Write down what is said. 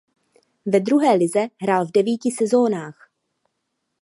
Ve druhé lize hrál v devíti sezonách.